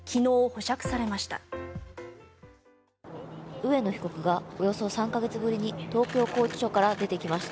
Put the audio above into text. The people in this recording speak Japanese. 植野被告がおよそ３か月ぶりに東京拘置所から出てきました。